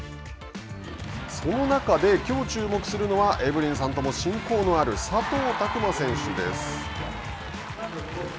その中できょう注目するのは、エブリンさんとも親交のある佐藤卓磨選手です。